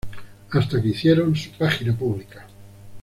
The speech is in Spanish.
Hasta que hicieron su página pública.